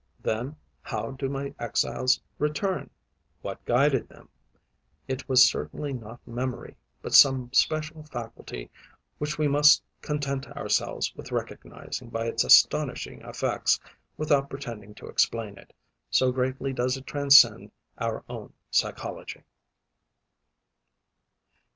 Then how did my exiles return? What guided them? It was certainly not memory, but some special faculty which we must content ourselves with recognizing by its astonishing effects without pretending to explain it, so greatly does it transcend our own psychology.